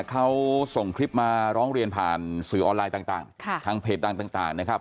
เขาส่งคลิปมาร้องเรียนผ่านสื่อออนไลน์ต่างทางเพจดังต่างนะครับ